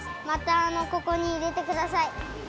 またここにいれてください。